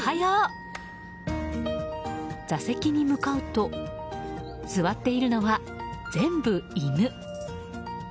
座席に向かうと座っているのは、全部犬。